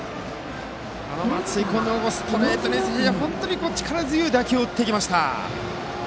松井君のストレートに対して本当に力強い打球を打っていきました。